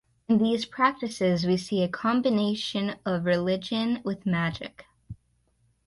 In these practices we see a combination of religion with magic.